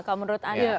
kalau menurut anda